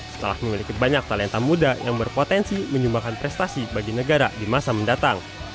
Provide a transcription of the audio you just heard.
setelah memiliki banyak talenta muda yang berpotensi menyumbangkan prestasi bagi negara di masa mendatang